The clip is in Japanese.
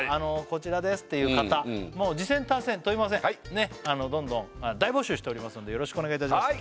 こちらですっていう方もう自薦・他薦問いませんどんどん大募集しておりますのでよろしくお願いいたします